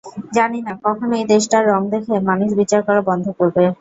জানিনা কখন এই দেশটা রং দেখে মানুষ বিচার করা বন্ধ করবে!